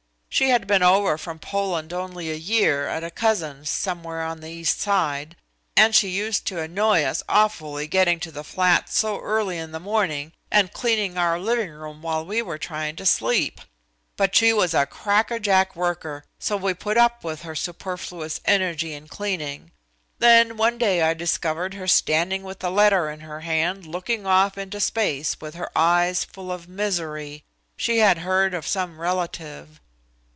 She had been over from Poland only a year at a cousin's somewhere on the East side, and she used to annoy us awfully getting to the flat so early in the morning and cleaning our living room while we were trying to sleep. But she was a crack a jack worker, so we put up with her superfluous energy in cleaning. Then one day I discovered her standing with a letter in her hand looking off into space with her eyes full of misery. She had heard of some relative."